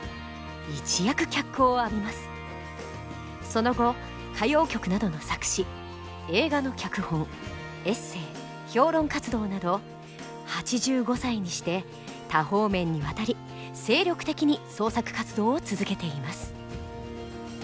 その後歌謡曲などの作詞映画の脚本エッセー評論活動など８５歳にして多方面にわたり精力的に創作活動を続けています。